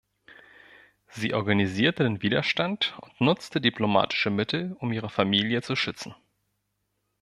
Sie organisierte den Widerstand und nutzte diplomatische Mittel, um ihre Familie zu schützen.